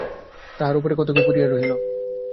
তাহার ওপারে কত কি পড়িয়া রহিল।